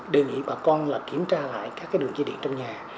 đề nghị bà con kiểm tra lại các đường dây điện trong nhà